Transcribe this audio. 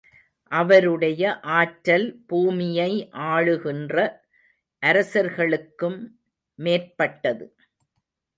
அவருடைய ஆற்றல் பூமியை ஆளுகின்ற அரசர்களுக்கும் மேற்பட்டது.